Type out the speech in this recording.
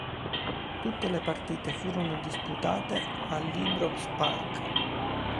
Tutte le partite furono disputate all'Ibrox Park.